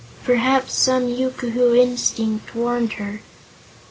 Perhaps some yookoohoo instinct warned her.